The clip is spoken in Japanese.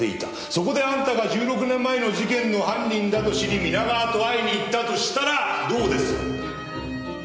そこであんたが１６年前の事件の犯人だと知り皆川と会いに行ったとしたらどうです？